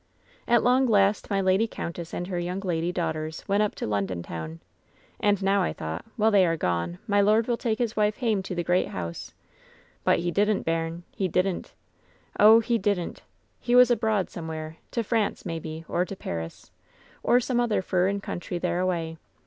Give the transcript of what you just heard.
"At long last my lady countess and her young lady daughters went up to London town. And now I thought, while they are gone, my lord will take his wife hame to the great house ; but he didn't, bairn ; he didn't Oh, he didn't. He was abroad somewhere, to France, maybe, or to Paris, or some other furrin country thereaway.